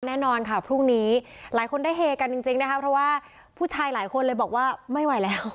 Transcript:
แน่นอนค่ะพรุ่งนี้หลายคนได้เฮกันจริงนะคะเพราะว่าผู้ชายหลายคนเลยบอกว่าไม่ไหวแล้ว